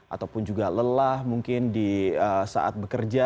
ataupun juga lelah mungkin di saat bekerja